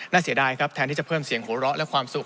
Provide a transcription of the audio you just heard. เสียดายครับแทนที่จะเพิ่มเสียงหัวเราะและความสุข